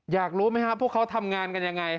อยากรู้ไหมครับพวกเขาทำงานกันยังไง